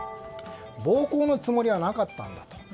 暴行のつもりはなかったんだと。